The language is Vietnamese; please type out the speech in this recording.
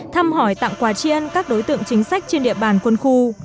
thăm hỏi tặng quà chiên các đối tượng chính sách trên địa bàn quân khu